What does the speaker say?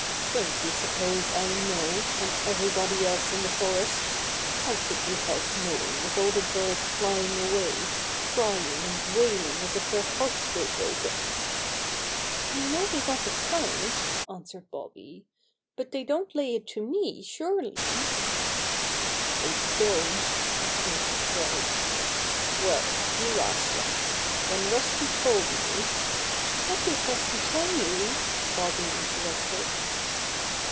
"Don't you suppose I know, and everybody else in the forest? How could we help knowing with all the birds flying away, crying and wailing as if their hearts were broken?" "I know they got a fright," answered Bobby, *'but they don't lay it to me surely." 86 Bobby Gray Squirrel's Adventures "They don't!" sniffed Stripe. "Well^ you ask them. When Rusty told me —" "What did Rusty tell you?" Bobby inter rupted.